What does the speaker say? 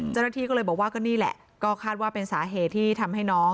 เจ้าหน้าที่ก็เลยบอกว่าก็นี่แหละก็คาดว่าเป็นสาเหตุที่ทำให้น้อง